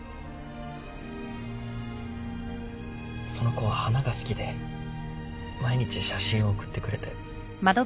その子は花が好きで毎日写真を送ってくれて。